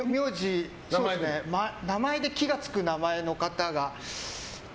名前で木がつく名前の方が。